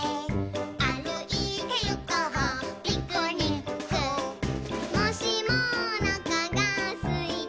「あるいてゆこうピクニック」「もしもおなかがすいたなら」